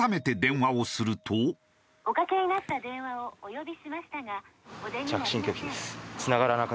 「おかけになった電話をお呼びしましたがお出になりません」